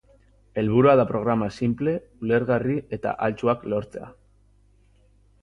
Helburua da programa sinple, ulergarri eta ahaltsuak lortzea.